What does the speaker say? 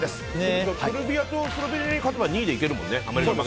セルビアとスロベニアに勝てば２位でいけるもんね。